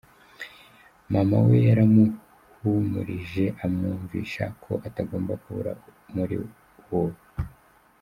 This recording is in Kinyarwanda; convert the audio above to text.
Mama we yaramuhumurije, amwumvisha ko atagomba kubura muri uwo.